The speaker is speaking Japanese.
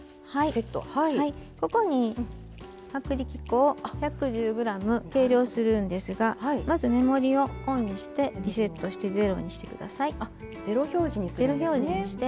ここに薄力粉を１１０ｇ計量するんですがまず、目盛りをオンにしてリセットして０にしてください。